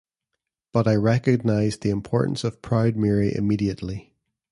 But I recognized the importance of 'Proud Mary' immediately.